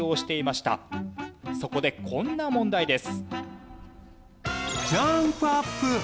そこでこんな問題です。